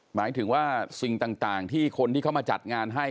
หมายถึงว่าสิ่งต่างที่คนที่เขามาจัดงานให้